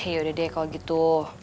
yaudah deh kalo gitu